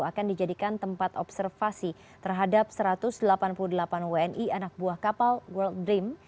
akan dijadikan tempat observasi terhadap satu ratus delapan puluh delapan wni anak buah kapal world dream